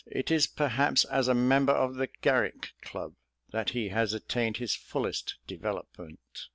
It is perhaps as a member of the Garrick Club that he has attained his fullest development.